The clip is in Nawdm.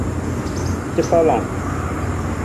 Cafalang.